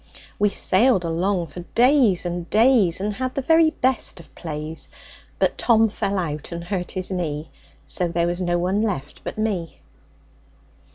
We sailed along for days and days, And had the very best of plays; But Tom fell out and hurt his knee, So there was no one left but me.